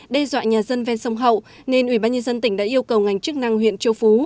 đe dọa nhà dân ven sông hậu nên ủy ban nhân dân tỉnh đã yêu cầu ngành chức năng huyện châu phú